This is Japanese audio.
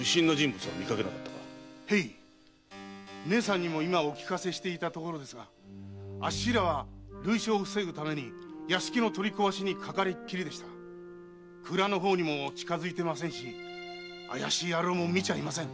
へいねえさんにも今お聞かせしていたところですがあっしらは類焼を防ぐために屋敷の取り壊しにかかりっきりで蔵にも近づいてませんし怪しい野郎も見ちゃいません。